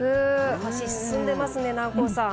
お箸進んでますね南光さん。